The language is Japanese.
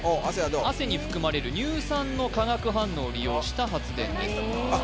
汗に含まれる乳酸の化学反応を利用した発電ですあっ